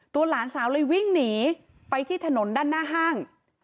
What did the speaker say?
หลานสาวเลยวิ่งหนีไปที่ถนนด้านหน้าห้าง